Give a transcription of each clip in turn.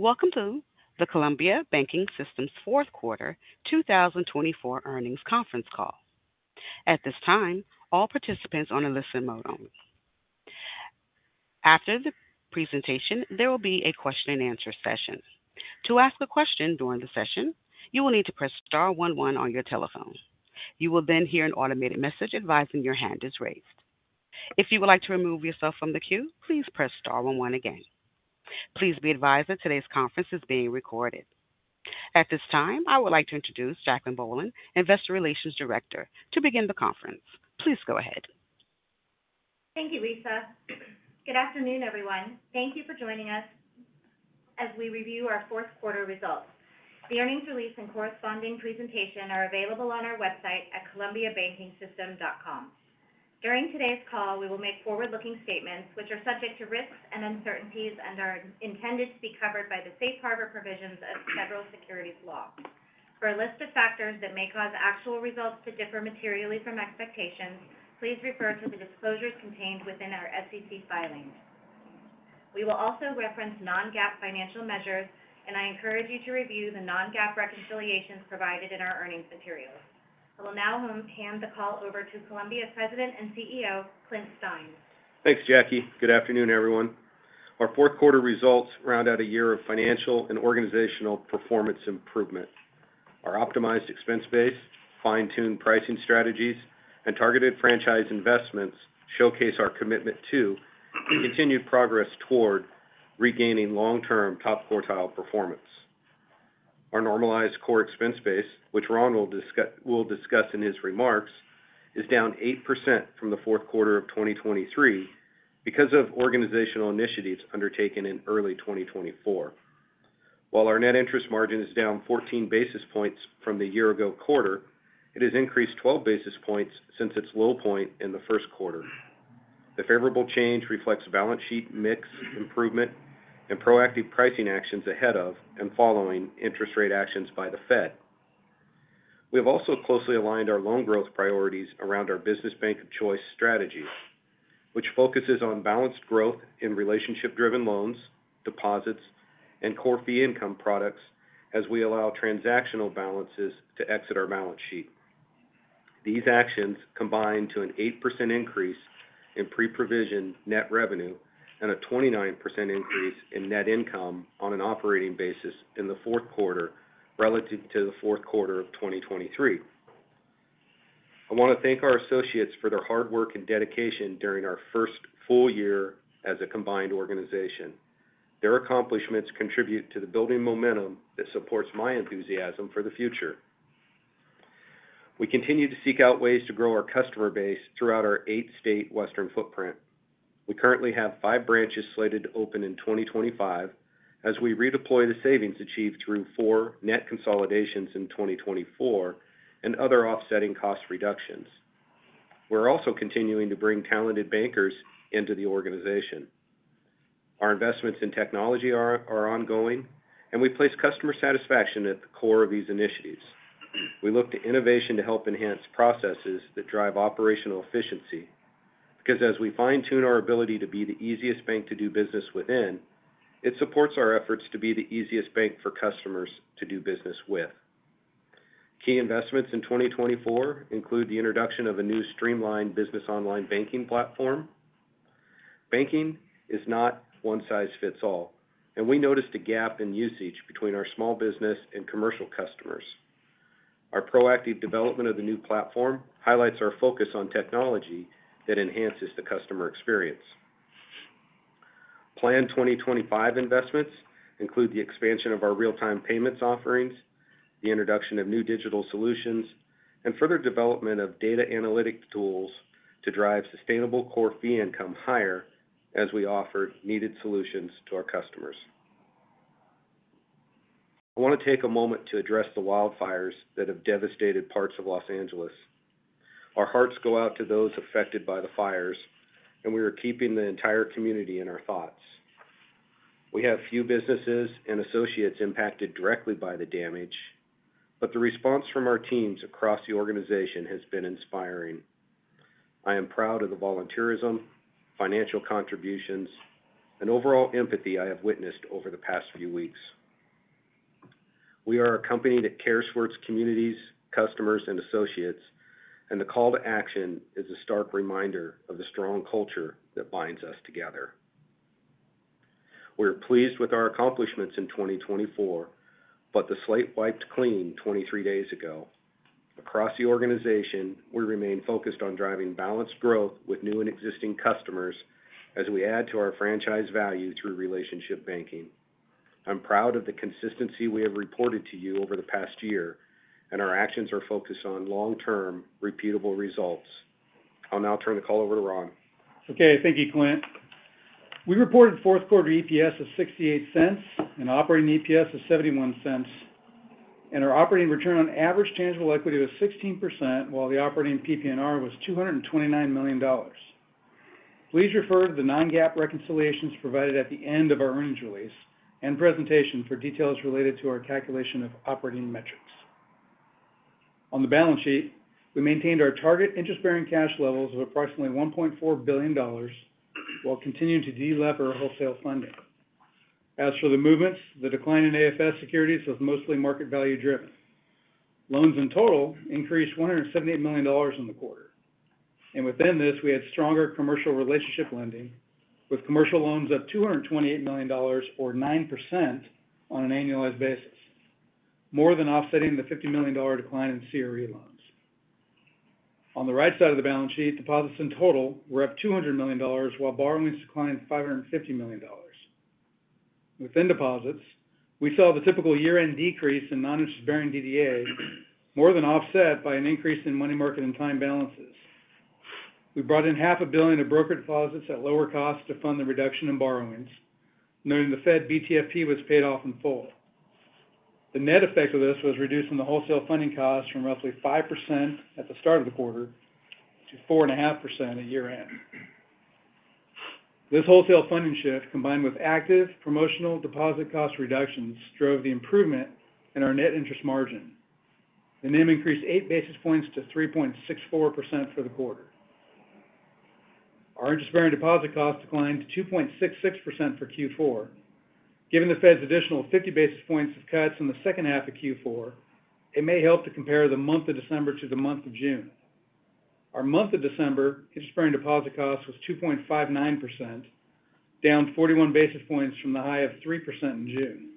Welcome to the Columbia Banking System's Fourth Quarter 2024 Earnings Conference Call. At this time, all participants are on a listen mode. After the presentation, there will be a question-and-answer session. To ask a question during the session, you will need to press star one one on your telephone. You will then hear an automated message advising your hand is raised. If you would like to remove yourself from the queue, please press star one one again. Please be advised that today's conference is being recorded. At this time, I would like to introduce Jacquelynne Bohlen, Investor Relations Director, to begin the conference. Please go ahead. Thank you, Lisa. Good afternoon, everyone. Thank you for joining us as we review our fourth quarter results. The earnings release and corresponding presentation are available on our website at columbiabankingsystem.com. During today's call, we will make forward-looking statements which are subject to risks and uncertainties and are intended to be covered by the safe harbor provisions of federal securities law. For a list of factors that may cause actual results to differ materially from expectations, please refer to the disclosures contained within our SEC filings. We will also reference non-GAAP financial measures, and I encourage you to review the non-GAAP reconciliations provided in our earnings materials. I will now hand the call over to Columbia's President and CEO, Clint Stein. Thanks, Jackie. Good afternoon, everyone. Our fourth quarter results round out a year of financial and organizational performance improvement. Our optimized expense base, fine-tuned pricing strategies, and targeted franchise investments showcase our commitment to and continued progress toward regaining long-term top quartile performance. Our normalized core expense base, which Ron will discuss in his remarks, is down 8% from the fourth quarter of 2023 because of organizational initiatives undertaken in early 2024. While our net interest margin is down 14 basis points from the year-ago quarter, it has increased 12 basis points since its low point in the first quarter. The favorable change reflects balance sheet mix improvement and proactive pricing actions ahead of and following interest rate actions by the Fed. We have also closely aligned our loan growth priorities around our business bank of choice strategy, which focuses on balanced growth in relationship-driven loans, deposits, and core fee income products as we allow transactional balances to exit our balance sheet. These actions combine to an 8% increase in pre-provision net revenue and a 29% increase in net income on an operating basis in the fourth quarter relative to the fourth quarter of 2023. I want to thank our associates for their hard work and dedication during our first full year as a combined organization. Their accomplishments contribute to the building momentum that supports my enthusiasm for the future. We continue to seek out ways to grow our customer base throughout our eight-state western footprint. We currently have five branches slated to open in 2025 as we redeploy the savings achieved through four net consolidations in 2024 and other offsetting cost reductions. We're also continuing to bring talented bankers into the organization. Our investments in technology are ongoing, and we place customer satisfaction at the core of these initiatives. We look to innovation to help enhance processes that drive operational efficiency because, as we fine-tune our ability to be the easiest bank to do business within, it supports our efforts to be the easiest bank for customers to do business with. Key investments in 2024 include the introduction of a new streamlined Business Online Banking platform. Banking is not one-size-fits-all, and we noticed a gap in usage between our small business and commercial customers. Our proactive development of the new platform highlights our focus on technology that enhances the customer experience. Planned 2025 investments include the expansion of our real-time payments offerings, the introduction of new digital solutions, and further development of data analytic tools to drive sustainable core fee income higher as we offer needed solutions to our customers. I want to take a moment to address the wildfires that have devastated parts of Los Angeles. Our hearts go out to those affected by the fires, and we are keeping the entire community in our thoughts. We have few businesses and associates impacted directly by the damage, but the response from our teams across the organization has been inspiring. I am proud of the volunteerism, financial contributions, and overall empathy I have witnessed over the past few weeks. We are a company that cares for its communities, customers, and associates, and the call to action is a stark reminder of the strong culture that binds us together. We are pleased with our accomplishments in 2024, but the slate wiped clean 23 days ago. Across the organization, we remain focused on driving balanced growth with new and existing customers as we add to our franchise value through relationship banking. I'm proud of the consistency we have reported to you over the past year, and our actions are focused on long-term repeatable results. I'll now turn the call over to Ron. Okay. Thank you, Clint. We reported fourth quarter EPS of $0.68 and operating EPS of $0.71, and our operating return on average tangible equity was 16%, while the operating PPNR was $229 million. Please refer to the non-GAAP reconciliations provided at the end of our earnings release and presentation for details related to our calculation of operating metrics. On the balance sheet, we maintained our target interest-bearing cash levels of approximately $1.4 billion while continuing to de-lever our wholesale funding. As for the movements, the decline in AFS securities was mostly market value-driven. Loans in total increased $178 million in the quarter, and within this, we had stronger commercial relationship lending with commercial loans of $228 million, or 9% on an annualized basis, more than offsetting the $50 million decline in CRE loans. On the right side of the balance sheet, deposits in total were up $200 million, while borrowings declined $550 million. Within deposits, we saw the typical year-end decrease in non-interest-bearing DDA more than offset by an increase in money market and time balances. We brought in $500 million of broker deposits at lower costs to fund the reduction in borrowings, noting the Fed BTFP was paid off in full. The net effect of this was reducing the wholesale funding costs from roughly 5% at the start of the quarter to 4.5% at year-end. This wholesale funding shift, combined with active promotional deposit cost reductions, drove the improvement in our net interest margin. The NIM increased 8 basis points to 3.64% for the quarter. Our interest-bearing deposit costs declined to 2.66% for Q4. Given the Fed's additional 50 basis points of cuts in the second half of Q4, it may help to compare the month of December to the month of June. Our month of December interest-bearing deposit costs was 2.59%, down 41 basis points from the high of 3% in June.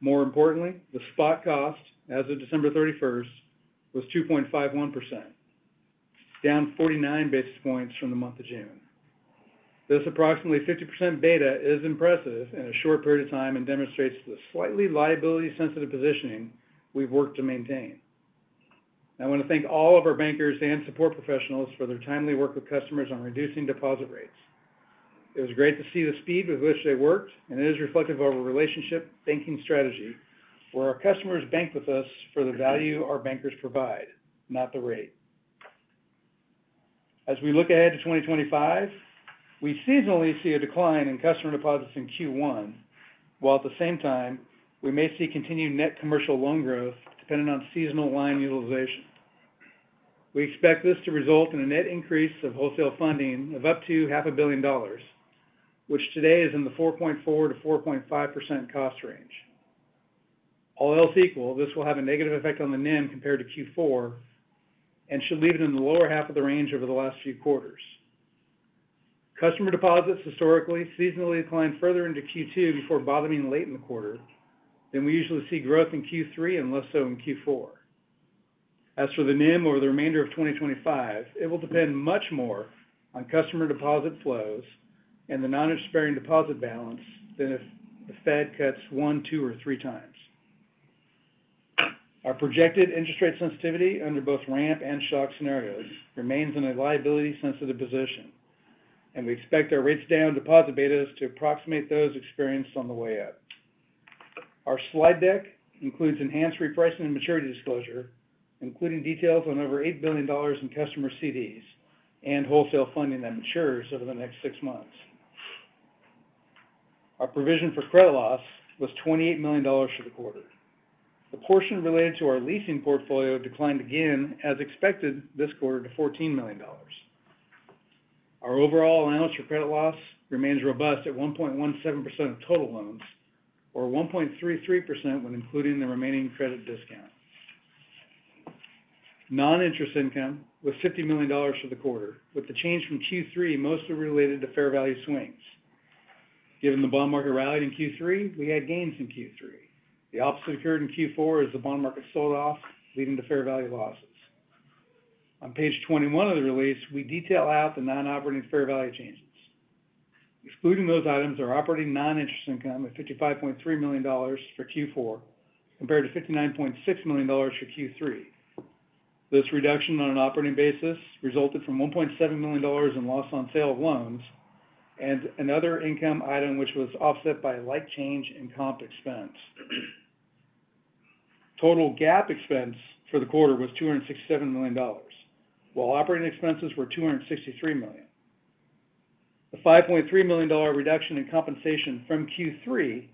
More importantly, the spot cost as of December 31st was 2.51%, down 49 basis points from the month of June. This approximately 50% beta is impressive in a short period of time and demonstrates the slightly liability-sensitive positioning we've worked to maintain. I want to thank all of our bankers and support professionals for their timely work with customers on reducing deposit rates. It was great to see the speed with which they worked, and it is reflective of our relationship banking strategy, where our customers bank with us for the value our bankers provide, not the rate. As we look ahead to 2025, we seasonally see a decline in customer deposits in Q1, while at the same time, we may see continued net commercial loan growth depending on seasonal line utilization. We expect this to result in a net increase of wholesale funding of up to $500 million, which today is in the 4.4%-4.5% cost range. All else equal, this will have a negative effect on the NIM compared to Q4 and should leave it in the lower half of the range over the last few quarters. Customer deposits historically seasonally declined further into Q2 before bottoming late in the quarter, then we usually see growth in Q3 and less so in Q4. As for the NIM over the remainder of 2025, it will depend much more on customer deposit flows and the non-interest-bearing deposit balance than if the Fed cuts one, two, or three times. Our projected interest rate sensitivity under both ramp and shock scenarios remains in a liability-sensitive position, and we expect our rates down deposit betas to approximate those experienced on the way up. Our slide deck includes enhanced repricing and maturity disclosure, including details on over $8 billion in customer CDs and wholesale funding that matures over the next six months. Our provision for credit loss was $28 million for the quarter. The portion related to our leasing portfolio declined again, as expected this quarter, to $14 million. Our overall allowance for credit loss remains robust at 1.17% of total loans, or 1.33% when including the remaining credit discount. Non-interest income was $50 million for the quarter, with the change from Q3 mostly related to fair value swings. Given the bond market rally in Q3, we had gains in Q3. The opposite occurred in Q4 as the bond market sold off, leading to fair value losses. On page 21 of the release, we detail out the non-operating fair value changes. Excluding those items, our operating non-interest income is $55.3 million for Q4 compared to $59.6 million for Q3. This reduction on an operating basis resulted from $1.7 million in loss on sale of loans and another income item which was offset by light change in comp expense. Total GAAP expense for the quarter was $267 million, while operating expenses were $263 million. The $5.3 million reduction in compensation from Q3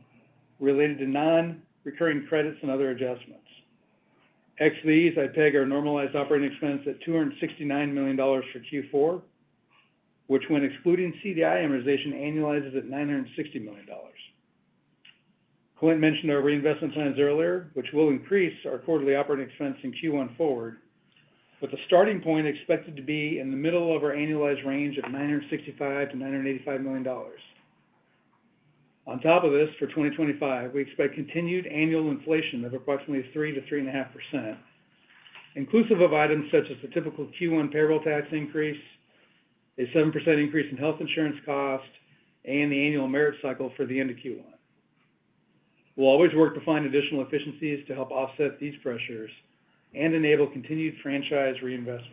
related to non-recurring credits and other adjustments. We peg our normalized operating expense at $269 million for Q4, which, when excluding CDI amortization, annualizes at $960 million. Clint mentioned our reinvestment plans earlier, which will increase our quarterly operating expense in Q1 forward, with the starting point expected to be in the middle of our annualized range of $965 million-$985 million. On top of this, for 2025, we expect continued annual inflation of approximately 3-3.5%, inclusive of items such as the typical Q1 payroll tax increase, a 7% increase in health insurance cost, and the annual merit cycle for the end of Q1. We'll always work to find additional efficiencies to help offset these pressures and enable continued franchise reinvestment,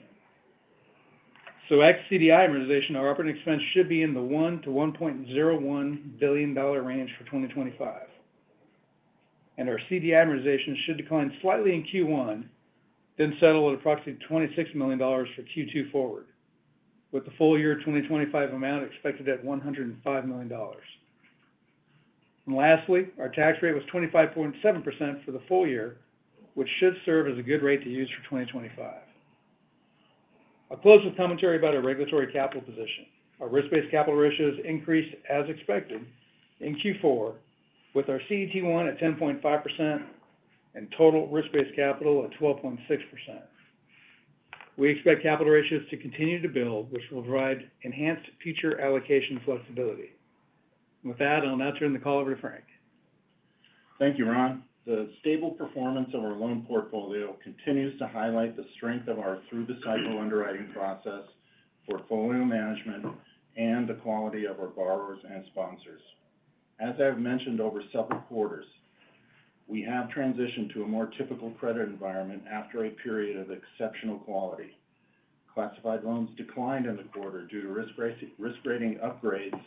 so ex-CDI amortization, our operating expense should be in the $1-$1.01 billion range for 2025. And our CDI amortization should decline slightly in Q1, then settle at approximately $26 million for Q2 forward, with the full year 2025 amount expected at $105 million. And lastly, our tax rate was 25.7% for the full year, which should serve as a good rate to use for 2025. I'll close with commentary about our regulatory capital position. Our risk-based capital ratios increased as expected in Q4, with our CET1 at 10.5% and total risk-based capital at 12.6%. We expect capital ratios to continue to build, which will provide enhanced future allocation flexibility. With that, I'll now turn the call over to Frank. Thank you, Ron. The stable performance of our loan portfolio continues to highlight the strength of our through-the-cycle underwriting process, portfolio management, and the quality of our borrowers and sponsors. As I've mentioned over several quarters, we have transitioned to a more typical credit environment after a period of exceptional quality. Classified loans declined in the quarter due to risk-rating upgrades,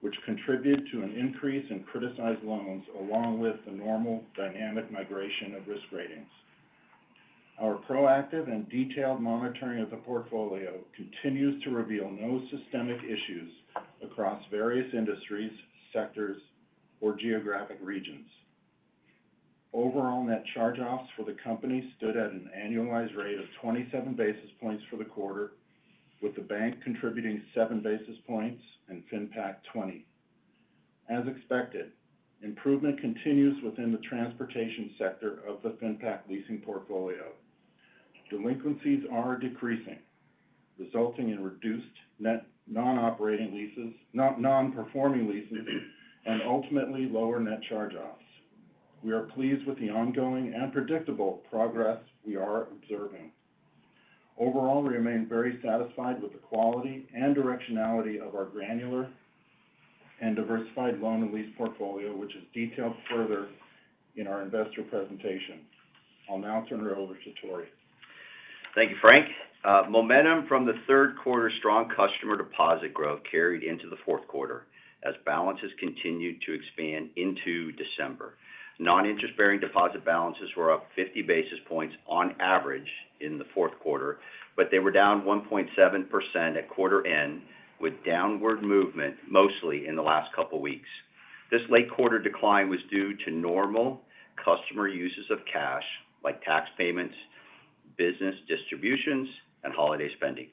which contribute to an increase in criticized loans along with the normal dynamic migration of risk ratings. Our proactive and detailed monitoring of the portfolio continues to reveal no systemic issues across various industries, sectors, or geographic regions. Overall net charge-offs for the company stood at an annualized rate of 27 basis points for the quarter, with the bank contributing 7 basis points and FinPac 20. As expected, improvement continues within the transportation sector of the FinPAC leasing portfolio. Delinquencies are decreasing, resulting in reduced non-performing leases and ultimately lower net charge-offs. We are pleased with the ongoing and predictable progress we are observing. Overall, we remain very satisfied with the quality and directionality of our granular and diversified loan and lease portfolio, which is detailed further in our investor presentation. I'll now turn it over to Tory. Thank you, Frank. Momentum from the third quarter strong customer deposit growth carried into the fourth quarter as balances continued to expand into December. Non-interest-bearing deposit balances were up 50 basis points on average in the fourth quarter, but they were down 1.7% at quarter end with downward movement mostly in the last couple of weeks. This late quarter decline was due to normal customer uses of cash, like tax payments, business distributions, and holiday spending.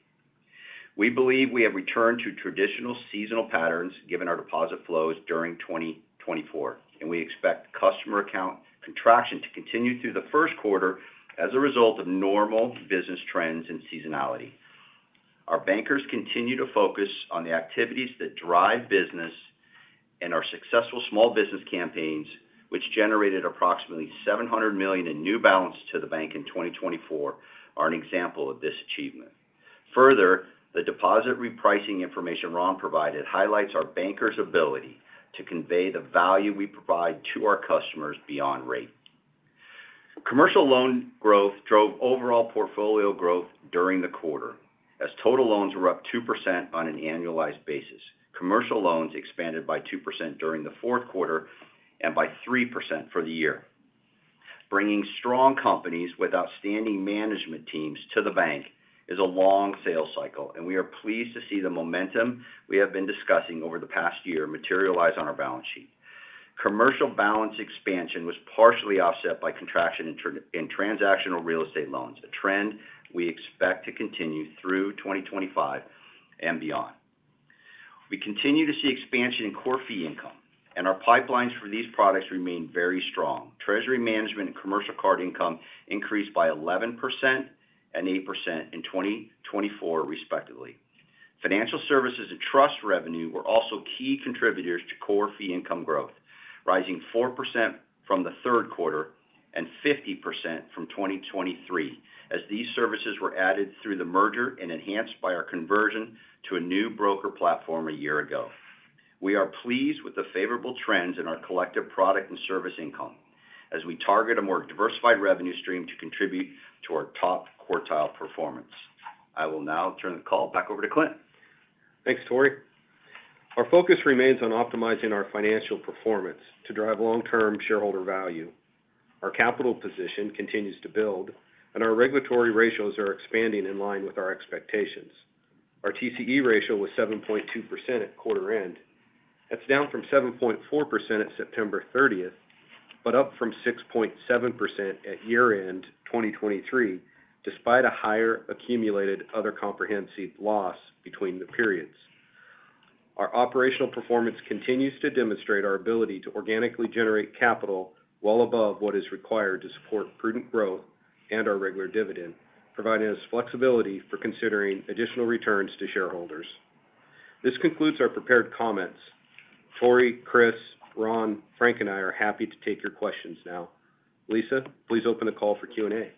We believe we have returned to traditional seasonal patterns given our deposit flows during 2024, and we expect customer account contraction to continue through the first quarter as a result of normal business trends and seasonality. Our bankers continue to focus on the activities that drive business, and our successful small business campaigns, which generated approximately $700 million in new balance to the bank in 2024, are an example of this achievement. Further, the deposit repricing information Ron provided highlights our bankers' ability to convey the value we provide to our customers beyond rate. Commercial loan growth drove overall portfolio growth during the quarter, as total loans were up 2% on an annualized basis. Commercial loans expanded by 2% during the fourth quarter and by 3% for the year. Bringing strong companies with outstanding management teams to the bank is a long sales cycle, and we are pleased to see the momentum we have been discussing over the past year materialize on our balance sheet. Commercial balance expansion was partially offset by contraction in transactional real estate loans, a trend we expect to continue through 2025 and beyond. We continue to see expansion in core fee income, and our pipelines for these products remain very strong. Treasury management and commercial card income increased by 11% and 8% in 2024, respectively. Financial services and trust revenue were also key contributors to core fee income growth, rising 4% from the third quarter and 50% from 2023, as these services were added through the merger and enhanced by our conversion to a new broker platform a year ago. We are pleased with the favorable trends in our collective product and service income as we target a more diversified revenue stream to contribute to our top quartile performance. I will now turn the call back over to Clint. Thanks, Tory. Our focus remains on optimizing our financial performance to drive long-term shareholder value. Our capital position continues to build, and our regulatory ratios are expanding in line with our expectations. Our TCE ratio was 7.2% at quarter end. That's down from 7.4% at September 30th, but up from 6.7% at year-end 2023, despite a higher Accumulated Other Comprehensive Loss between the periods. Our operational performance continues to demonstrate our ability to organically generate capital well above what is required to support prudent growth and our regular dividend, providing us flexibility for considering additional returns to shareholders. This concludes our prepared comments. Tory, Chris, Ron, Frank, and I are happy to take your questions now. Lisa, please open the call for Q&A.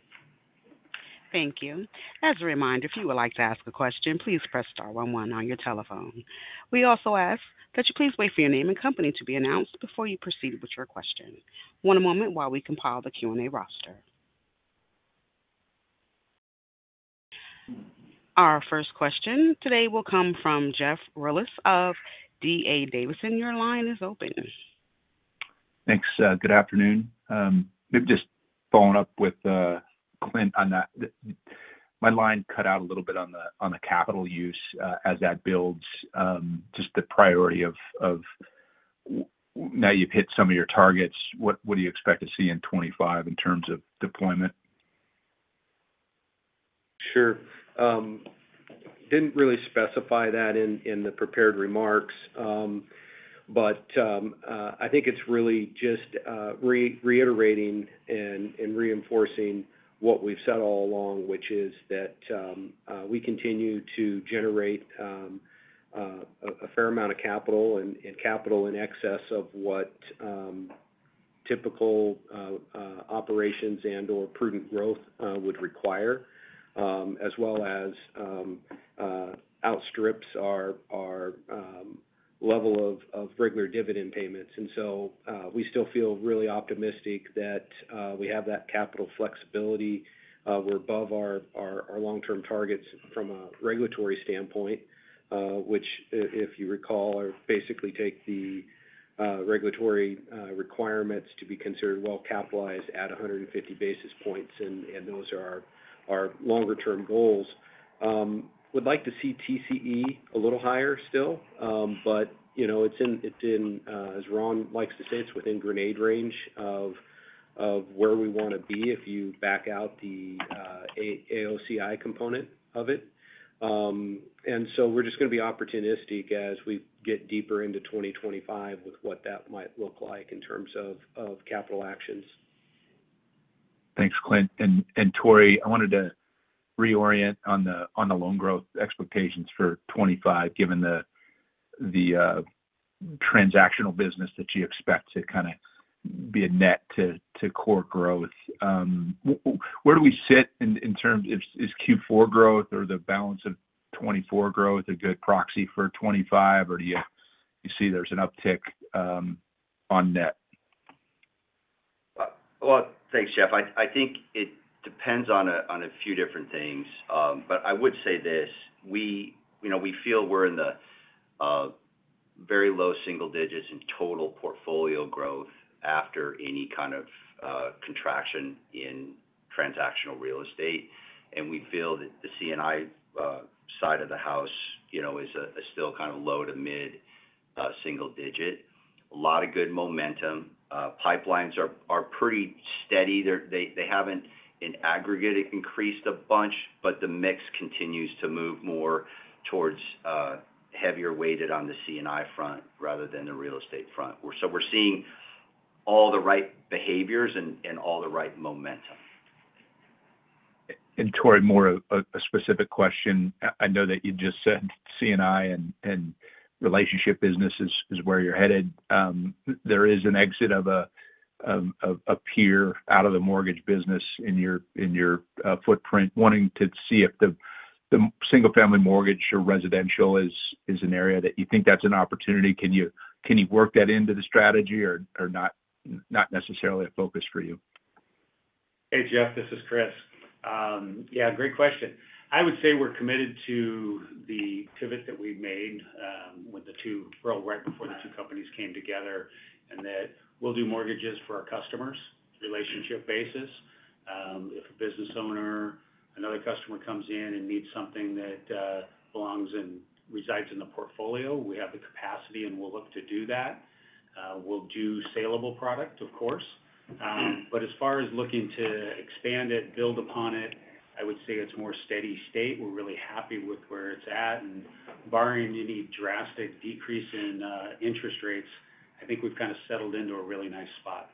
Thank you. As a reminder, if you would like to ask a question, please press star one one on your telephone. We also ask that you please wait for your name and company to be announced before you proceed with your question. Wait a moment while we compile the Q&A roster? Our first question today will come from Jeff Rulis of D.A. Davidson. Your line is open. Thanks. Good afternoon. Maybe just following up with Clint on that. My line cut out a little bit on the capital use as that builds, just the priority of now you've hit some of your targets. What do you expect to see in 2025 in terms of deployment? Sure. Didn't really specify that in the prepared remarks, but I think it's really just reiterating and reinforcing what we've said all along, which is that we continue to generate a fair amount of capital and capital in excess of what typical operations and/or prudent growth would require, as well as outstrips our level of regular dividend payments, and so we still feel really optimistic that we have that capital flexibility. We're above our long-term targets from a regulatory standpoint, which, if you recall, basically take the regulatory requirements to be considered well-capitalized at 150 basis points, and those are our longer-term goals. Would like to see TCE a little higher still, but it's in, as Ron likes to say, it's within grenade range of where we want to be if you back out the AOCI component of it. And so we're just going to be opportunistic as we get deeper into 2025 with what that might look like in terms of capital actions. Thanks, Clint. And Tory, I wanted to reorient on the loan growth expectations for 2025, given the transactional business that you expect to kind of be a net to core growth. Where do we sit in terms of, is Q4 growth or the balance of 2024 growth a good proxy for 2025, or do you see there's an uptick on net? Thanks, Jeff. I think it depends on a few different things, but I would say this. We feel we're in the very low single digits in total portfolio growth after any kind of contraction in transactional real estate. We feel that the C&I side of the house is still kind of low to mid single digit. A lot of good momentum. Pipelines are pretty steady. They haven't in aggregate increased a bunch, but the mix continues to move more towards heavier weighted on the C&I front rather than the real estate front. We're seeing all the right behaviors and all the right momentum. Tory, more of a specific question. I know that you just said C&I and relationship business is where you're headed. There is an exit of a peer out of the mortgage business in your footprint, wanting to see if the single-family mortgage or residential is an area that you think that's an opportunity. Can you work that into the strategy or not necessarily a focus for you? Hey, Jeff, this is Chris. Yeah, great question. I would say we're committed to the pivot that we've made with the two right before the two companies came together and that we'll do mortgages for our customers relationship basis. If a business owner, another customer comes in and needs something that belongs and resides in the portfolio, we have the capacity and we'll look to do that. We'll do saleable product, of course. But as far as looking to expand it, build upon it, I would say it's more steady state. We're really happy with where it's at, and barring any drastic decrease in interest rates, I think we've kind of settled into a really nice spot.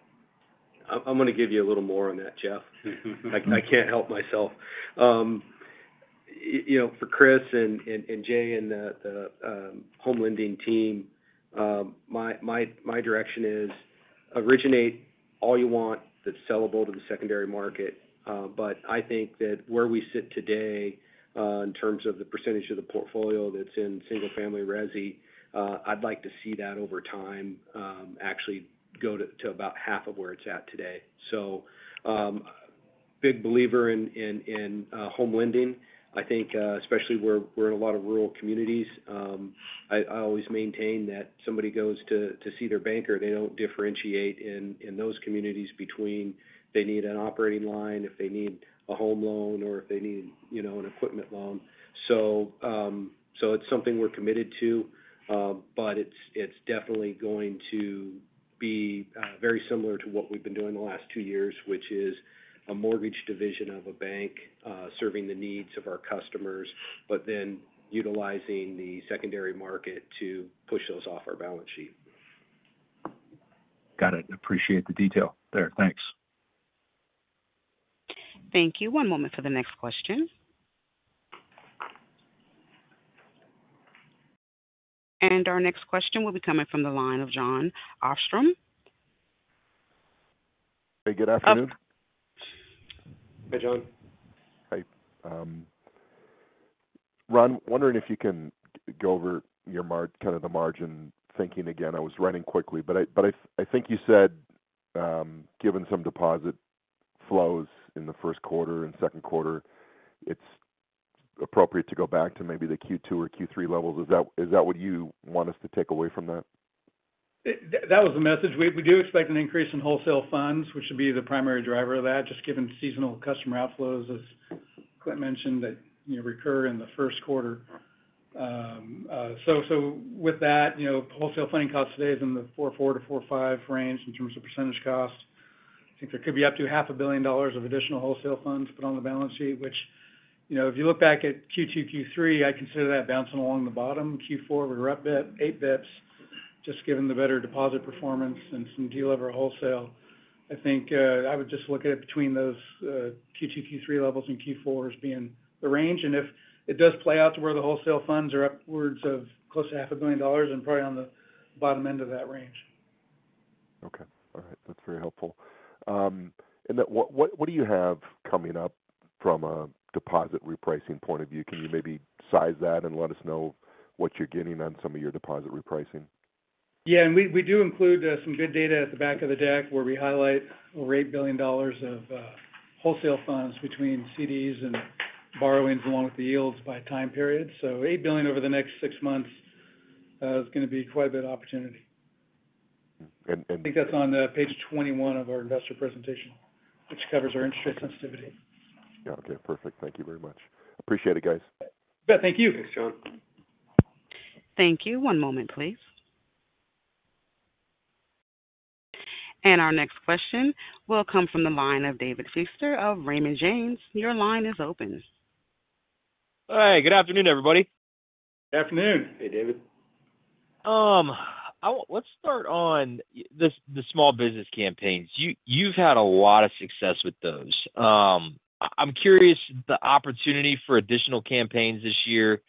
I'm going to give you a little more on that, Jeff. I can't help myself. For Chris and Jay and the home lending team, my direction is originate all you want that's sellable to the secondary market. But I think that where we sit today in terms of the percentage of the portfolio that's in single-family resi, I'd like to see that over time actually go to about half of where it's at today. So big believer in home lending. I think especially we're in a lot of rural communities. I always maintain that somebody goes to see their banker, they don't differentiate in those communities between they need an operating line, if they need a home loan, or if they need an equipment loan. So it's something we're committed to, but it's definitely going to be very similar to what we've been doing the last two years, which is a mortgage division of a bank serving the needs of our customers, but then utilizing the secondary market to push those off our balance sheet. Got it. Appreciate the detail there. Thanks. Thank you. One moment for the next question, and our next question will be coming from the line of Jon Arfstrom. Hey, good afternoon. Hey, John. Hey. Ron, wondering if you can go over kind of the margin thinking again. I was running quickly, but I think you said given some deposit flows in the first quarter and second quarter, it's appropriate to go back to maybe the Q2 or Q3 levels. Is that what you want us to take away from that? That was the message. We do expect an increase in wholesale funds, which would be the primary driver of that, just given seasonal customer outflows, as Clint mentioned, that recur in the first quarter. So with that, wholesale funding costs today is in the 4.4%-4.5% range in terms of percentage cost. I think there could be up to $500 million of additional wholesale funds put on the balance sheet, which if you look back at Q2, Q3, I consider that bouncing along the bottom. Q4 would be up eight basis points just given the better deposit performance and some drawdown of our wholesale. I think I would just look at it between those Q2, Q3 levels and Q4 as being the range. If it does play out to where the wholesale funds are upwards of close to $500 million, I'm probably on the bottom end of that range. Okay. All right. That's very helpful. And what do you have coming up from a deposit repricing point of view? Can you maybe size that and let us know what you're getting on some of your deposit repricing? Yeah. And we do include some good data at the back of the deck where we highlight over $8 billion of wholesale funds between CDs and borrowings along with the yields by time period. So $8 billion over the next six months is going to be quite a bit of opportunity. And. I think that's on page 21 of our investor presentation, which covers our interest rate sensitivity. Yeah. Okay. Perfect. Thank you very much. Appreciate it, guys. Thank you. Thanks, John. Thank you. One moment, please. And our next question will come from the line of David Feaster of Raymond James. Your line is open. Hey, good afternoon, everybody. Good afternoon. Hey, David. Let's start on the small business campaigns. You've had a lot of success with those. I'm curious the opportunity for additional campaigns this year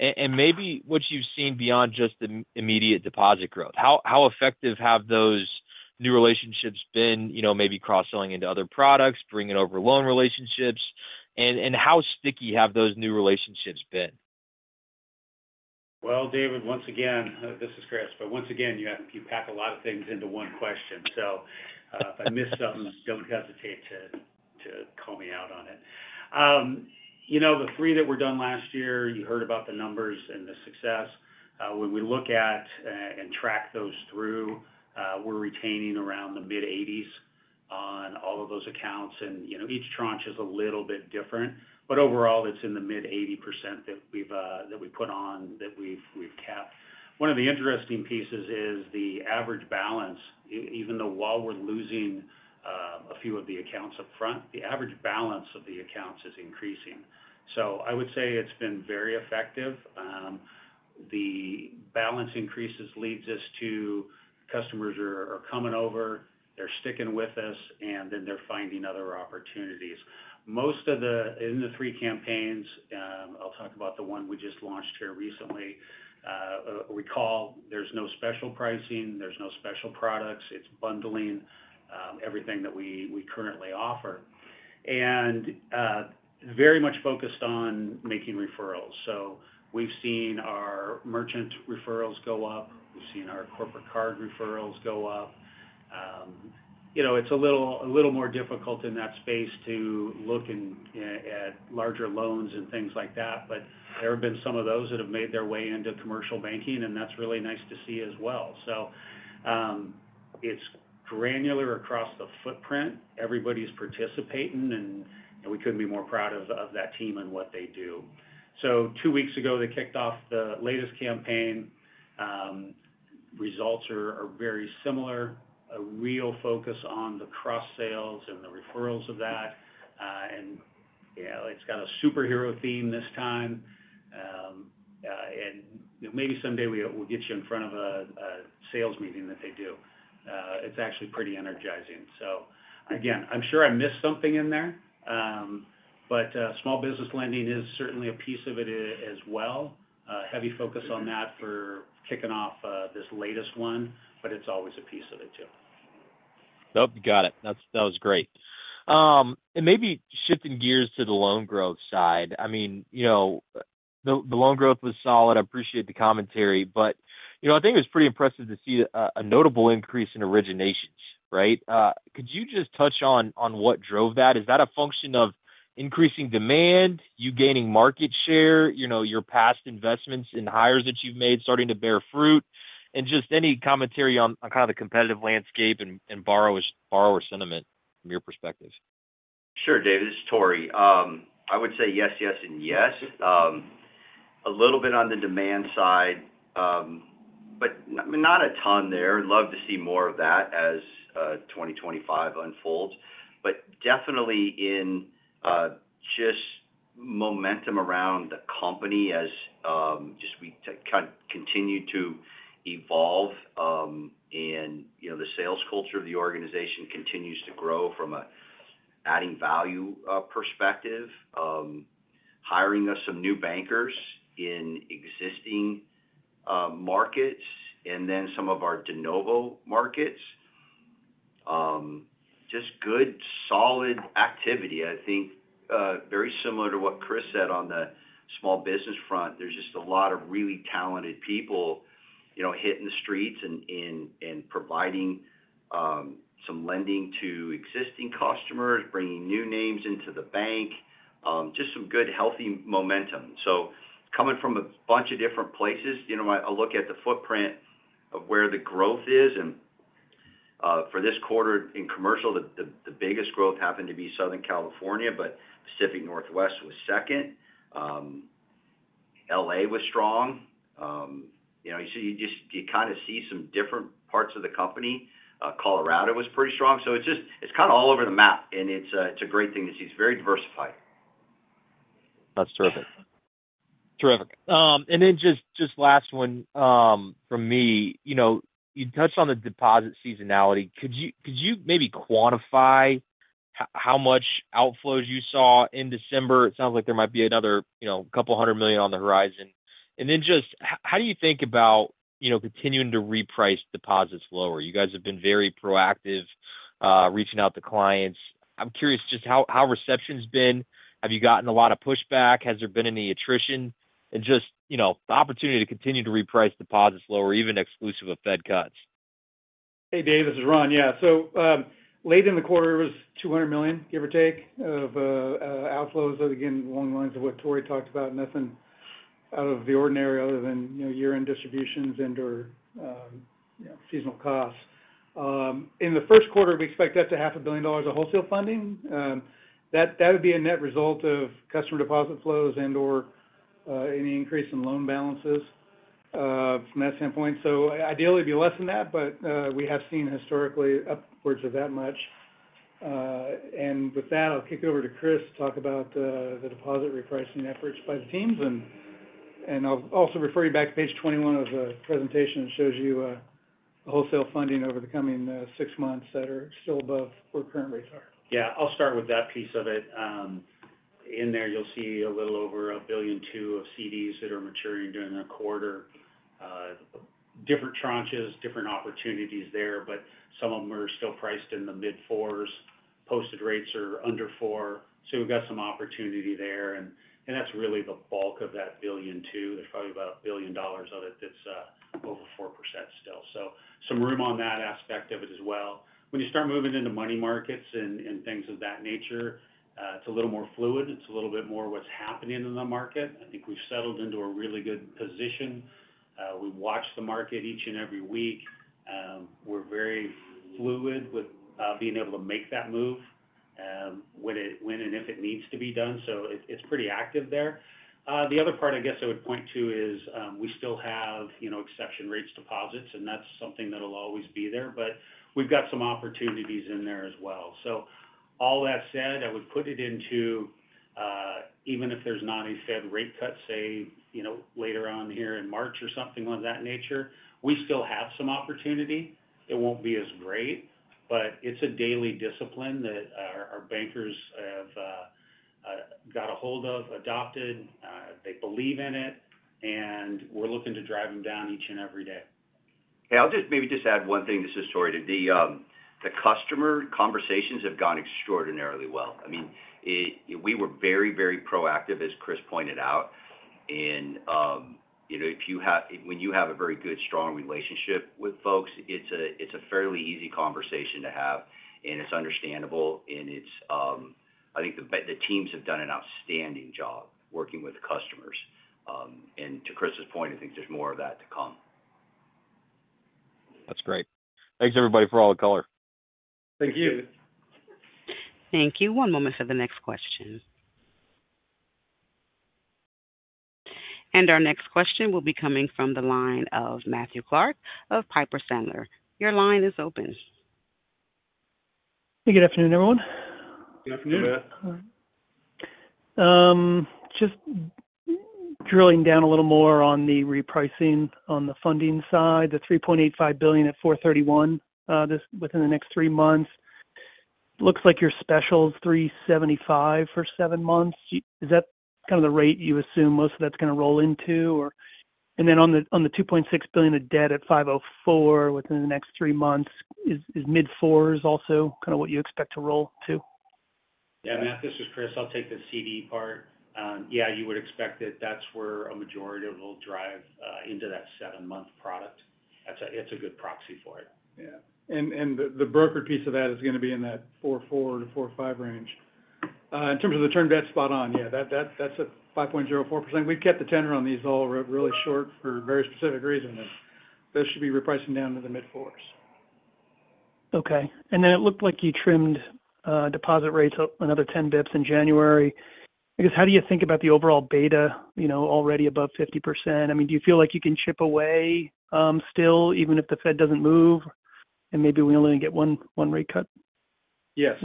and maybe what you've seen beyond just the immediate deposit growth. How effective have those new relationships been, maybe cross-selling into other products, bringing over loan relationships, and how sticky have those new relationships been? David, once again, this is Chris, but once again, you pack a lot of things into one question. So if I miss something, don't hesitate to call me out on it. The three that were done last year, you heard about the numbers and the success. When we look at and track those through, we're retaining around the mid-80s on all of those accounts. And each tranche is a little bit different. But overall, it's in the mid-80% that we put on that we've kept. One of the interesting pieces is the average balance. Even though while we're losing a few of the accounts up front, the average balance of the accounts is increasing. So I would say it's been very effective. The balance increases leads us to customers are coming over, they're sticking with us, and then they're finding other opportunities. Most of them in the three campaigns, I'll talk about the one we just launched here recently. Recall, there's no special pricing, there's no special products. It's bundling everything that we currently offer. And very much focused on making referrals. So we've seen our merchant referrals go up. We've seen our corporate card referrals go up. It's a little more difficult in that space to look at larger loans and things like that, but there have been some of those that have made their way into commercial banking, and that's really nice to see as well. So it's granular across the footprint. Everybody's participating, and we couldn't be more proud of that team and what they do. So two weeks ago, they kicked off the latest campaign. Results are very similar. A real focus on the cross-sales and the referrals of that. And it's got a superhero theme this time. And maybe someday we'll get you in front of a sales meeting that they do. It's actually pretty energizing. So again, I'm sure I missed something in there, but small business lending is certainly a piece of it as well. Heavy focus on that for kicking off this latest one, but it's always a piece of it too. Nope. You got it. That was great, and maybe shifting gears to the loan growth side. I mean, the loan growth was solid. I appreciate the commentary, but I think it was pretty impressive to see a notable increase in originations, right? Could you just touch on what drove that? Is that a function of increasing demand, you gaining market share, your past investments in hires that you've made starting to bear fruit, and just any commentary on kind of the competitive landscape and borrower sentiment from your perspective? Sure, David. This is Tory. I would say yes, yes, and yes. A little bit on the demand side, but not a ton there. Love to see more of that as 2025 unfolds. But definitely in just momentum around the company as we kind of continue to evolve and the sales culture of the organization continues to grow from an adding value perspective, hiring us some new bankers in existing markets, and then some of our de novo markets. Just good solid activity. I think very similar to what Chris said on the small business front. There's just a lot of really talented people hitting the streets and providing some lending to existing customers, bringing new names into the bank, just some good healthy momentum. So coming from a bunch of different places, I look at the footprint of where the growth is. And for this quarter in commercial, the biggest growth happened to be Southern California, but Pacific Northwest was second. LA was strong. You just kind of see some different parts of the company. Colorado was pretty strong. So it's kind of all over the map, and it's a great thing to see. It's very diversified. That's terrific. Terrific. And then just last one from me. You touched on the deposit seasonality. Could you maybe quantify how much outflows you saw in December? It sounds like there might be another couple hundred million on the horizon. And then just how do you think about continuing to reprice deposits lower? You guys have been very proactive reaching out to clients. I'm curious just how reception's been. Have you gotten a lot of pushback? Has there been any attrition? And just the opportunity to continue to reprice deposits lower, even exclusive of Fed cuts. Hey, David. This is Ron. Yeah. So late in the quarter, it was $200 million, give or take, of outflows. Again, along the lines of what Tory talked about, nothing out of the ordinary other than year-end distributions and/or seasonal costs. In the first quarter, we expect up to $500 million of wholesale funding. That would be a net result of customer deposit flows and/or any increase in loan balances from that standpoint. Ideally, it'd be less than that, but we have seen historically upwards of that much. With that, I'll kick it over to Chris to talk about the deposit repricing efforts by the teams. I'll also refer you back to page 21 of the presentation that shows you wholesale funding over the coming six months that are still above where current rates are. Yeah. I'll start with that piece of it. In there, you'll see a little over $1.2 billion of CDs that are maturing during the quarter. Different tranches, different opportunities there, but some of them are still priced in the mid-4s. Posted rates are under 4. So we've got some opportunity there. And that's really the bulk of that $1.2 billion. There's probably about $1 billion of it that's over 4% still. So some room on that aspect of it as well. When you start moving into money markets and things of that nature, it's a little more fluid. It's a little bit more what's happening in the market. I think we've settled into a really good position. We watch the market each and every week. We're very fluid with being able to make that move when and if it needs to be done. So it's pretty active there. The other part, I guess I would point to is we still have exception rates deposits, and that's something that will always be there, but we've got some opportunities in there as well. So all that said, I would put it into even if there's not a Fed rate cut, say, later on here in March or something of that nature, we still have some opportunity. It won't be as great, but it's a daily discipline that our bankers have got a hold of, adopted. They believe in it, and we're looking to drive them down each and every day. Hey, I'll just maybe add one thing to this story. The customer conversations have gone extraordinarily well. I mean, we were very, very proactive, as Chris pointed out, and if you have a very good, strong relationship with folks, it's a fairly easy conversation to have, and it's understandable, and I think the teams have done an outstanding job working with customers, and to Chris's point, I think there's more of that to come. That's great. Thanks, everybody, for all the color. Thank you. Thank you. One moment for the next question, and our next question will be coming from the line of Matthew Clark of Piper Sandler. Your line is open. Hey, good afternoon, everyone. Good afternoon. Just drilling down a little more on the repricing on the funding side, the $3.85 billion at 4.31% within the next three months. Looks like your special's 3.75% for seven months. Is that kind of the rate you assume most of that's going to roll into? And then on the $2.6 billion of debt at 5.04% within the next three months, is mid-4s% also kind of what you expect to roll to? Yeah, Matt, this is Chris. I'll take the CD part. Yeah, you would expect that that's where a majority will drive into that seven-month product. It's a good proxy for it. Yeah. And the broker piece of that is going to be in that 44%-45% range. In terms of the term debt, spot on. Yeah, that's a 5.04%. We've kept the tenor on these all really short for very specific reasons. That should be repricing down to the mid-4%s. Okay. And then it looked like you trimmed deposit rates up another 10 basis points in January. I guess, how do you think about the overall beta already above 50%? I mean, do you feel like you can chip away still, even if the Fed doesn't move and maybe we only get one rate cut? Yes.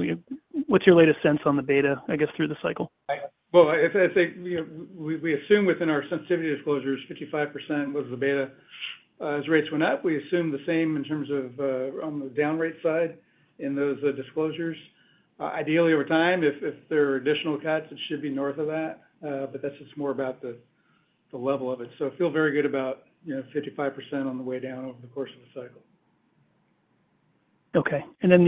What's your latest sense on the beta, I guess, through the cycle? I think we assume within our sensitivity disclosures, 55% was the beta. As rates went up, we assumed the same in terms of on the down rate side in those disclosures. Ideally, over time, if there are additional cuts, it should be north of that, but that's just more about the level of it. So I feel very good about 55% on the way down over the course of the cycle. Okay. And then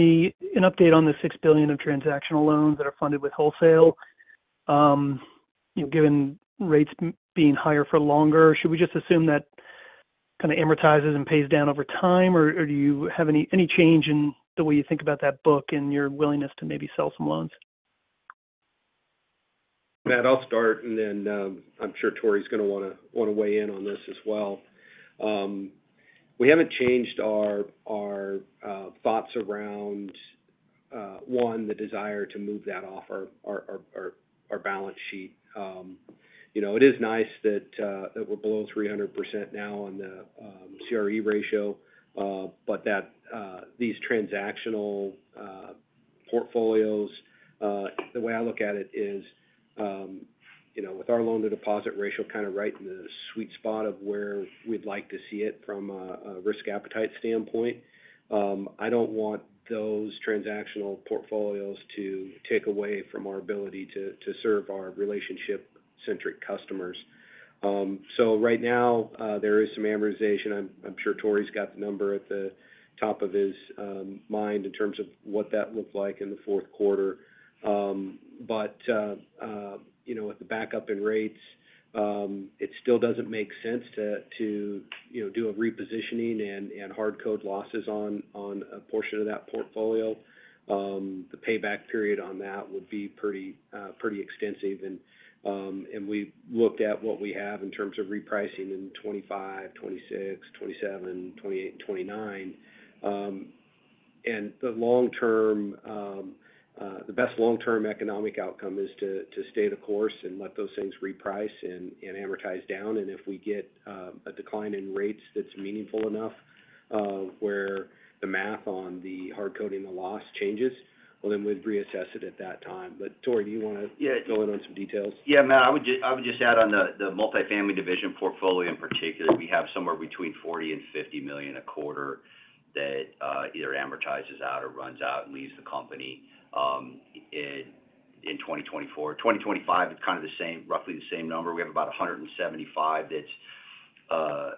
an update on the $6 billion of transactional loans that are funded with wholesale, given rates being higher for longer, should we just assume that kind of amortizes and pays down over time, or do you have any change in the way you think about that book and your willingness to maybe sell some loans? Matt, I'll start, and then I'm sure Tory's going to want to weigh in on this as well. We haven't changed our thoughts around, one, the desire to move that off our balance sheet. It is nice that we're below 300% now on the CRE ratio, but these transactional portfolios, the way I look at it is with our loan-to-deposit ratio kind of right in the sweet spot of where we'd like to see it from a risk appetite standpoint. I don't want those transactional portfolios to take away from our ability to serve our relationship-centric customers. So right now, there is some amortization. I'm sure Tory's got the number at the top of his mind in terms of what that looked like in the fourth quarter. But with the backup in rates, it still doesn't make sense to do a repositioning and hard-code losses on a portion of that portfolio. The payback period on that would be pretty extensive. And we looked at what we have in terms of repricing in 2025, 2026, 2027, 2028, and 2029. And the best long-term economic outcome is to stay the course and let those things reprice and amortize down. And if we get a decline in rates that's meaningful enough where the math on the hard-coding the loss changes, well, then we'd reassess it at that time. But Tory, do you want to go in on some details? Yeah, Matt. I would just add on the multifamily division portfolio in particular, we have somewhere between $40 million-$50 million a quarter that either amortizes out or runs out and leaves the company in 2024. 2025, it's kind of roughly the same number. We have about $175 million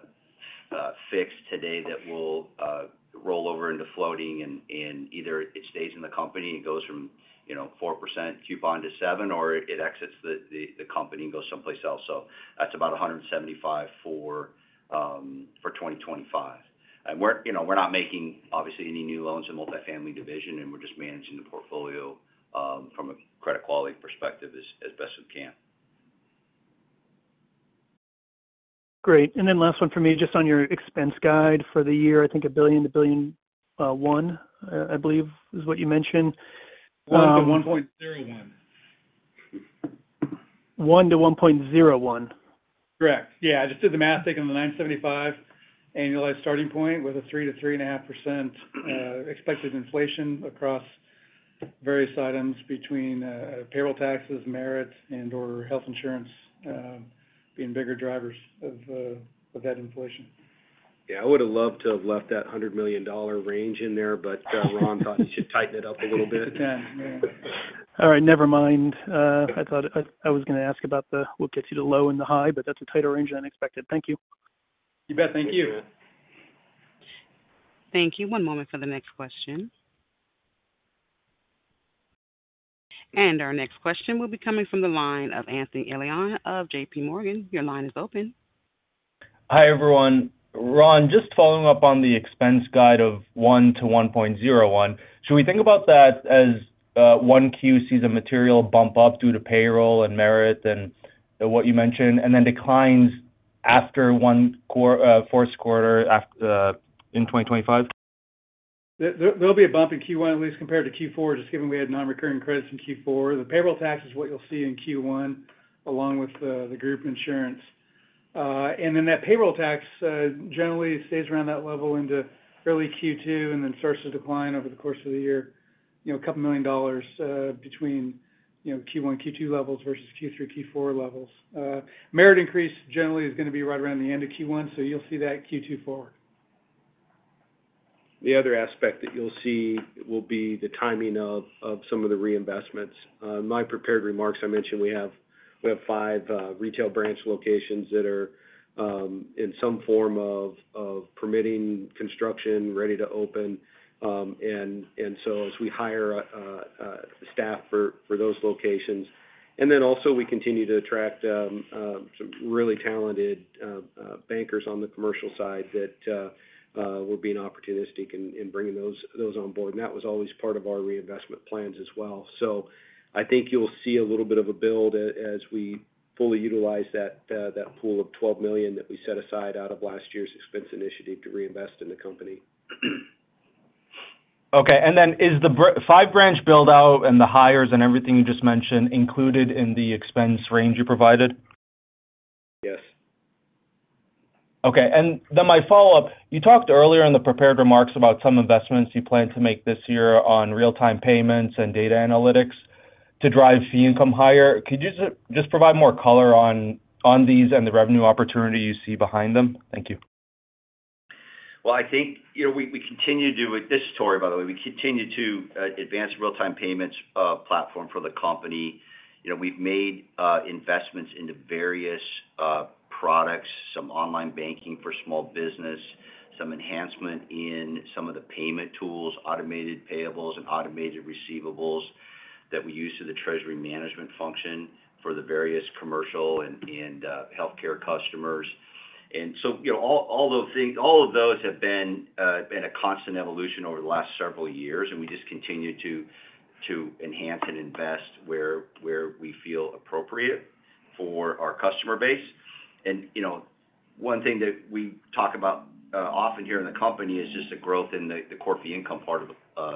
that's fixed today that will roll over into floating, and either it stays in the company and goes from 4% coupon to 7%, or it exits the company and goes someplace else. So that's about $175 million for 2025. And we're not making, obviously, any new loans in multifamily division, and we're just managing the portfolio from a credit quality perspective as best we can. Great. And then last one from me, just on your expense guide for the year, I think $1 billion-$1.1 billion, I believe, is what you mentioned. 1 to 1.01. 1 to 1.01. Correct. Yeah. Just did the math, taking the 975 annualized starting point with a 3%-3.5% expected inflation across various items between payroll taxes, merit, and/or health insurance being bigger drivers of that inflation. Yeah. I would have loved to have left that $100 million range in there, but Ron thought he should tighten it up a little bit. All right. Never mind. I thought I was going to ask about what gets you to low and the high, but that's a tighter range than expected. Thank you. You bet. Thank you. Thank you. One moment for the next question. And our next question will be coming from the line of Anthony Elian of JPMorgan. Your line is open. Hi, everyone. Ron, just following up on the expense guide of $1.0-$1.01, should we think about that as one Q sees a material bump up due to payroll and merit and what you mentioned, and then declines after one fourth quarter in 2025? There'll be a bump in Q1 at least compared to Q4, just given we had non-recurring credits in Q4. The payroll tax is what you'll see in Q1 along with the group insurance, and then that payroll tax generally stays around that level into early Q2 and then starts to decline over the course of the year, $2 million between Q1, Q2 levels versus Q3, Q4 levels. Merit increase generally is going to be right around the end of Q1, so you'll see that Q2 forward. The other aspect that you'll see will be the timing of some of the reinvestments. In my prepared remarks, I mentioned we have five retail branch locations that are in some form of permitting construction, ready to open, and so as we hire staff for those locations, and then also we continue to attract some really talented bankers on the commercial side that were being opportunistic in bringing those on board, and that was always part of our reinvestment plans as well, so I think you'll see a little bit of a build as we fully utilize that pool of $12 million that we set aside out of last year's expense initiative to reinvest in the company. Okay. And then is the five-branch build-out and the hires and everything you just mentioned included in the expense range you provided? Yes. Okay, and then my follow-up, you talked earlier in the prepared remarks about some investments you plan to make this year on real-time payments and data analytics to drive fee income higher. Could you just provide more color on these and the revenue opportunity you see behind them? Thank you. I think we continue to, this is Tory by the way, we continue to advance real-time payments platform for the company. We've made investments into various products, some online banking for small business, some enhancement in some of the payment tools, automated payables, and automated receivables that we use for the treasury management function for the various commercial and healthcare customers. All of those have been in a constant evolution over the last several years, and we just continue to enhance and invest where we feel appropriate for our customer base. One thing that we talk about often here in the company is just the growth in the core fee income part of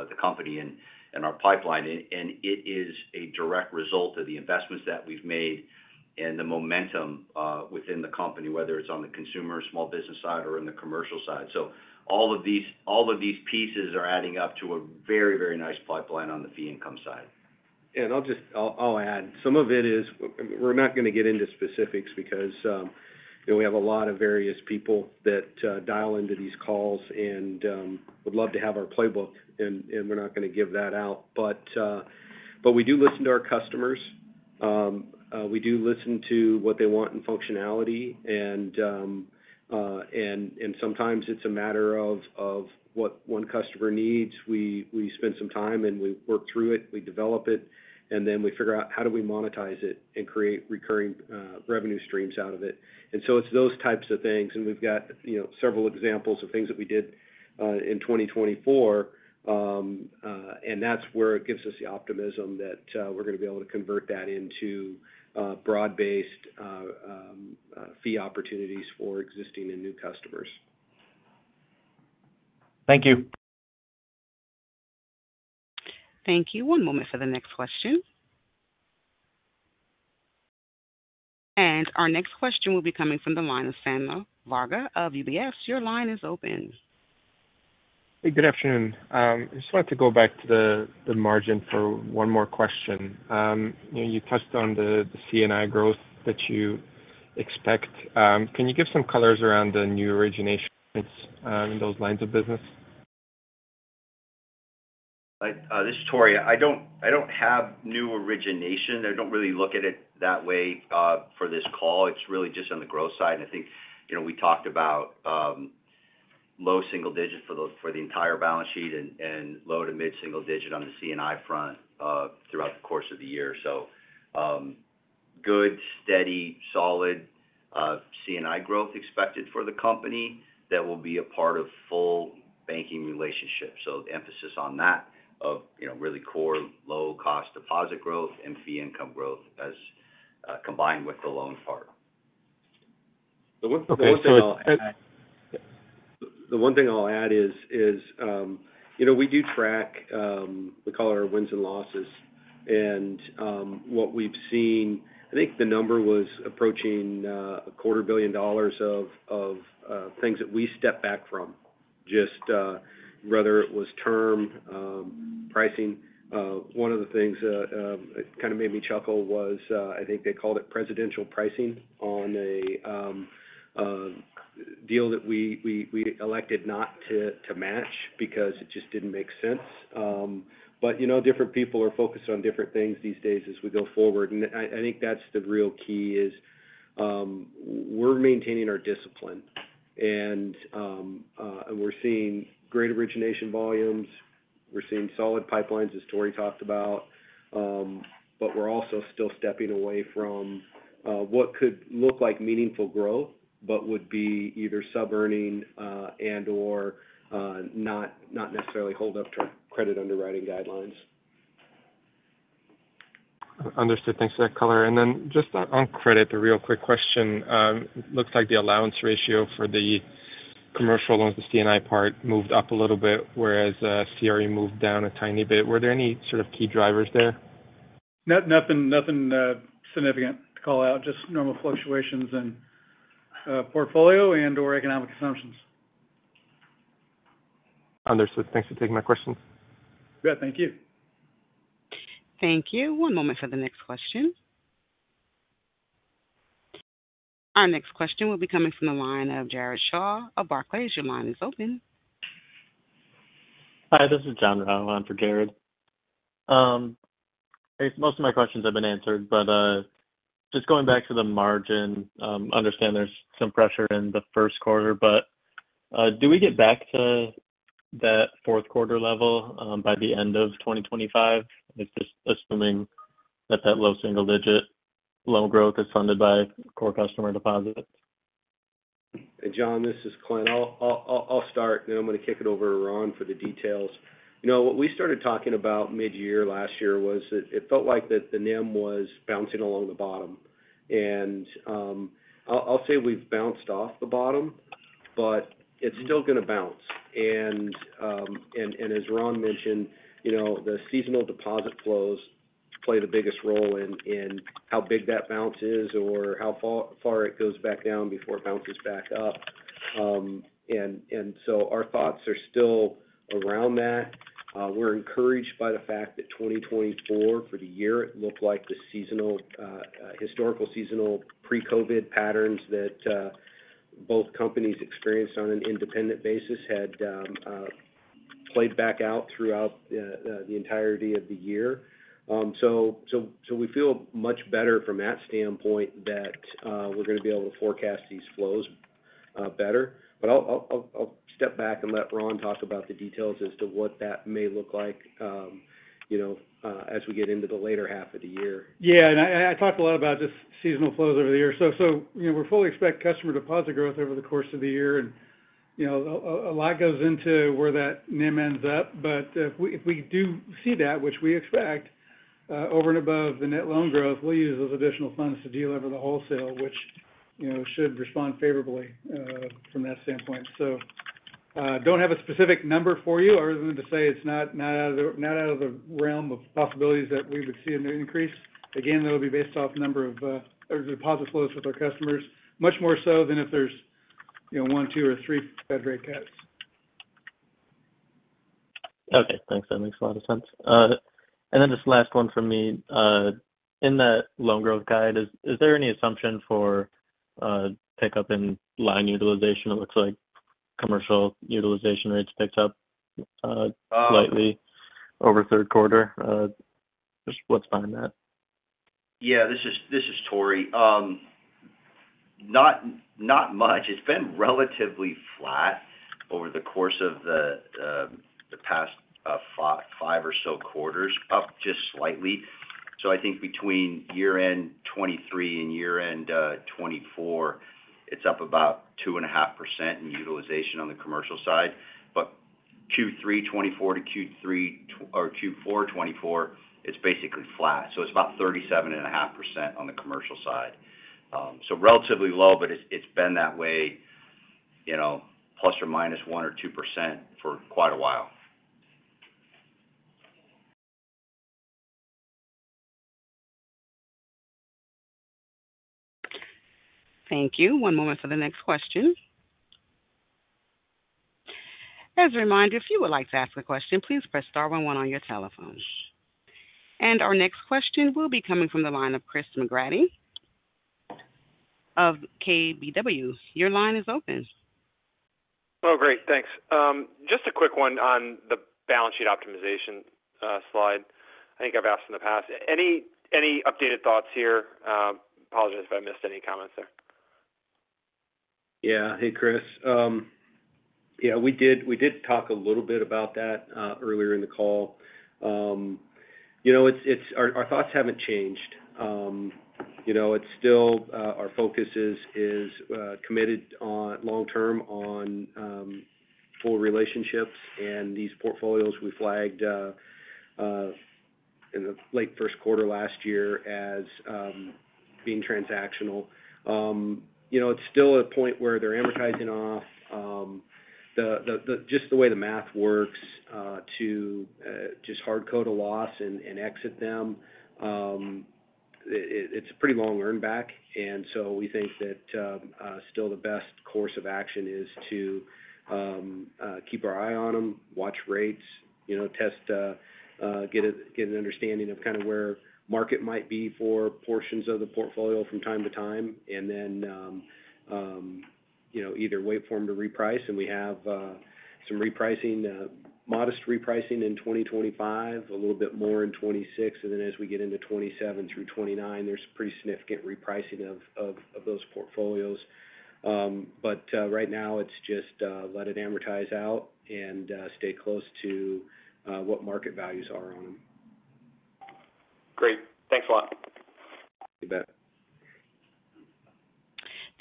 the company and our pipeline. And it is a direct result of the investments that we've made and the momentum within the company, whether it's on the consumer, small business side, or in the commercial side. So all of these pieces are adding up to a very, very nice pipeline on the fee income side. Yeah. And I'll add, some of it is we're not going to get into specifics because we have a lot of various people that dial into these calls and would love to have our playbook, and we're not going to give that out. But we do listen to our customers. We do listen to what they want in functionality. And sometimes it's a matter of what one customer needs. We spend some time, and we work through it. We develop it, and then we figure out how do we monetize it and create recurring revenue streams out of it. And so it's those types of things. And we've got several examples of things that we did in 2024, and that's where it gives us the optimism that we're going to be able to convert that into broad-based fee opportunities for existing and new customers. Thank you. Thank you. One moment for the next question. And our next question will be coming from the line of Samuel Varga of UBS. Your line is open. Hey, good afternoon. I just wanted to go back to the margin for one more question. You touched on the C&I growth that you expect. Can you give some colors around the new originations in those lines of business? This is Tory. I don't have new origination. I don't really look at it that way for this call. It's really just on the growth side. I think we talked about low single-digit for the entire balance sheet and low- to mid-single-digit on the C&I front throughout the course of the year. Good, steady, solid C&I growth expected for the company that will be a part of full banking relationship. Emphasis on that of really core low-cost deposit growth and fee income growth as combined with the loan part. The one thing I'll add is we do track - we call it our wins and losses. And what we've seen, I think the number was approaching $250 million of things that we step back from, just whether it was term pricing. One of the things that kind of made me chuckle was I think they called it presidential pricing on a deal that we elected not to match because it just didn't make sense. But different people are focused on different things these days as we go forward. And I think that's the real key is we're maintaining our discipline, and we're seeing great origination volumes. We're seeing solid pipelines, as Tori talked about, but we're also still stepping away from what could look like meaningful growth but would be either sub-earning and/or not necessarily hold up to credit underwriting guidelines. Understood. Thanks for that, Clint. And then just on credit, a real quick question. It looks like the allowance ratio for the commercial loans, the C&I part, moved up a little bit, whereas CRE moved down a tiny bit. Were there any sort of key drivers there? Nothing significant to call out. Just normal fluctuations in portfolio and/or economic assumptions. Understood. Thanks for taking my questions. Yeah. Thank you. Thank you. One moment for the next question. Our next question will be coming from the line of Jared Shaw of Barclays. Your line is open. Hi. This is John Rowell. I'm for Jared. Most of my questions have been answered, but just going back to the margin, I understand there's some pressure in the first quarter, but do we get back to that fourth quarter level by the end of 2025? Just assuming that that low single digit loan growth is funded by core customer deposits. John, this is Clint. I'll start, and then I'm going to kick it over to Ron for the details. What we started talking about mid-year last year was that it felt like that the NIM was bouncing along the bottom, and I'll say we've bounced off the bottom, but it's still going to bounce, and as Ron mentioned, the seasonal deposit flows play the biggest role in how big that bounce is or how far it goes back down before it bounces back up, and so our thoughts are still around that. We're encouraged by the fact that 2024, for the year, it looked like the historical seasonal pre-COVID patterns that both companies experienced on an independent basis had played back out throughout the entirety of the year, so we feel much better from that standpoint that we're going to be able to forecast these flows better. But I'll step back and let Ron talk about the details as to what that may look like as we get into the later half of the year. Yeah. And I talked a lot about just seasonal flows over the year. So we fully expect customer deposit growth over the course of the year. And a lot goes into where that NIM ends up. But if we do see that, which we expect, over and above the net loan growth, we'll use those additional funds to pay down the wholesale, which should respond favorably from that standpoint. So I don't have a specific number for you other than to say it's not out of the realm of possibilities that we would see an increase. Again, that'll be based off number of deposit flows with our customers, much more so than if there's one, two, or three Fed rate cuts. Okay. Thanks. That makes a lot of sense, and then just the last one from me. In that loan growth guide, is there any assumption for pickup in line utilization? It looks like commercial utilization rates picked up slightly over third quarter. Just what's behind that? Yeah. This is Tory. Not much. It's been relatively flat over the course of the past five or so quarters, up just slightly. So I think between year-end 2023 and year-end 2024, it's up about 2.5% in utilization on the commercial side. But Q3 2024 to Q4 2024, it's basically flat. So it's about 37.5% on the commercial side. So relatively low, but it's been that way plus or minus one or two % for quite a while. Thank you. One moment for the next question. As a reminder, if you would like to ask a question, please press star 11 on your telephone. And our next question will be coming from the line of Chris McGratty of KBW. Your line is open. Oh, great. Thanks. Just a quick one on the balance sheet optimization slide. I think I've asked in the past. Apologize if I missed any comments there. Yeah. Hey, Chris. Yeah. We did talk a little bit about that earlier in the call. Our thoughts haven't changed. Our focus is committed long-term on full relationships. And these portfolios we flagged in the late first quarter last year as being transactional. It's still at a point where they're amortizing off. Just the way the math works to just hardcode a loss and exit them, it's a pretty long earnback. And so we think that still the best course of action is to keep our eye on them, watch rates, get an understanding of kind of where market might be for portions of the portfolio from time to time, and then either wait for them to reprice. And we have some repricing, modest repricing in 2025, a little bit more in 2026. And then as we get into 2027 through 2029, there's pretty significant repricing of those portfolios. But right now, it's just let it amortize out and stay close to what market values are on them. Great. Thanks a lot. You bet.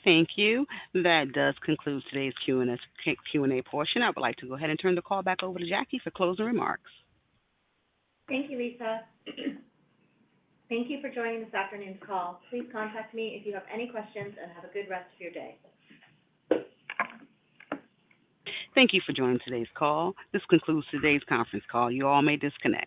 Thank you. That does conclude today's Q&A portion. I would like to go ahead and turn the call back over to Jackie for closing remarks. Thank you, Lisa. Thank you for joining this afternoon's call. Please contact me if you have any questions and have a good rest of your day. Thank you for joining today's call. This concludes today's conference call. You all may disconnect.